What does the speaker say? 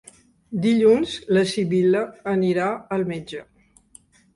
Dilluns na Sibil·la anirà al metge.